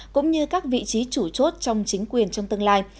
cũng như các vị trí chủ chốt trong chính quyền trong tương lai